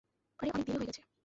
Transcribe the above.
আরে অনেক দেরি হয়ে গেছে।